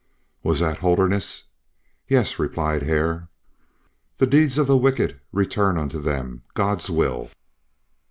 "Was that Holderness?" "Yes," replied Hare. "The deeds of the wicked return unto them! God's will!"